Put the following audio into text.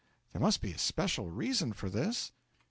There must be a special reason for this?'